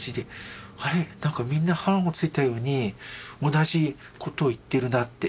なんかみんな判をついたように同じことを言ってるなって。